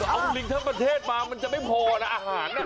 เอาลิงทั้งประเทศมามันจะไม่พอนะอาหาร